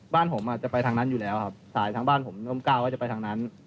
บ้านผมจะไปทางนั้นอยู่แล้วครับสายทางบ้านผมก็ก้าวว่าจะไปทางนั้น